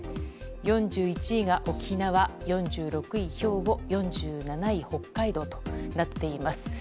４１位が沖縄、４６位、兵庫４７位、北海道となっています。